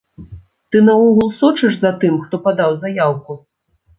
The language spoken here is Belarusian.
Ты, наогул, сочыш за тым, хто падаў заяўку?